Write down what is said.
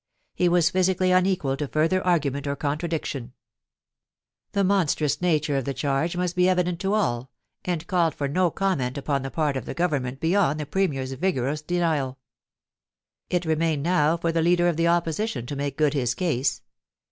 He was physically unequal to further argument or contradiction, llie monstrous nature of the charge must be evident to all, and called for no comment upon the part of the Government beyond the Premier's vigorous denial It remained now for the leader of the Opposition to make good his case.